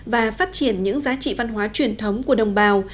và phát triển những giá trị văn hóa truyền thống của đồng bào